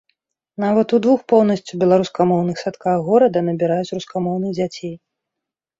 Нават у двух поўнасцю беларускамоўных садках горада набіраюць рускамоўных дзяцей.